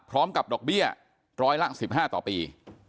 พร้อมกับดอกเบี้ยร้อยหลัง๑๕ต่อปี